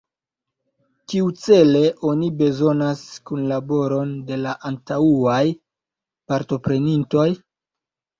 Kiucele oni bezonas kunlaboron de la antaŭaj partoprenintoj?